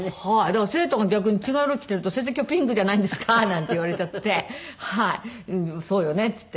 だから生徒が逆に違う色着ていると「先生今日ピンクじゃないんですか？」なんて言われちゃって「そうよね」って言って。